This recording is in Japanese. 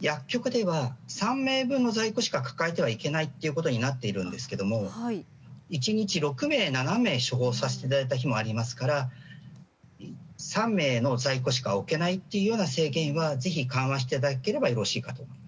薬局では３名分の在庫しか抱えてはいけないことになっているんですが１日６名、７名処方させていただいた日もありますから３名の在庫しか置けないというような制限はぜひ、緩和していただければよろしいかと思います。